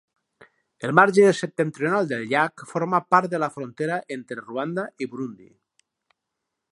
El marge septentrional del llac forma part de la frontera entre Ruanda i Burundi.